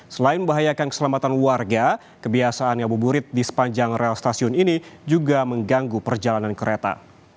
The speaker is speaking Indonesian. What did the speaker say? selain membahayakan keselamatan warga kebiasaan ngabuburit di sepanjang rel stasiun ini juga mengganggu perjalanan kereta